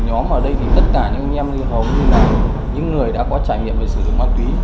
nhóm ở đây thì tất cả những em như hầu như là những người đã có trải nghiệm về sử dụng ma túy